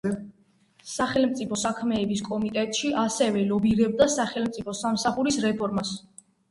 სახელმწიფო საქმეების კომიტეტში ასევე ლობირებდა სახელმწიფო სამსახურის რეფორმას.